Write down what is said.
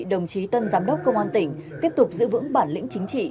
đồng chí tân giám đốc công an tỉnh tiếp tục giữ vững bản lĩnh chính trị